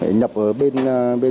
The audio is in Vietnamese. hãy nhập ở bên